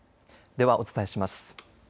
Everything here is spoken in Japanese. ではお伝えします。